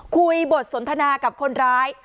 คุยบทสนทนากับคนร้าย